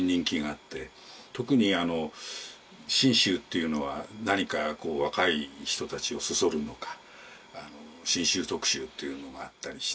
特に信州っていうのは何か若い人たちをそそるのか信州特集っていうのがあったりして。